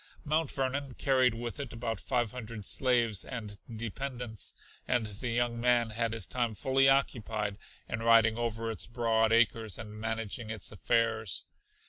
Mount Vernon carried with it about five hundred slaves and dependents, and the young man had his time fully occupied in riding over its broad acres and managing its affairs.